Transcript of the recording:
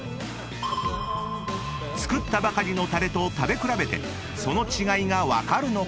［作ったばかりのタレと食べ比べてその違いが分かるのか？］